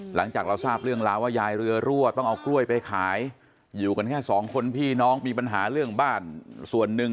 หลังจากเราทราบเรื่องราวว่ายายเรือรั่วต้องเอากล้วยไปขายอยู่กันแค่สองคนพี่น้องมีปัญหาเรื่องบ้านส่วนหนึ่ง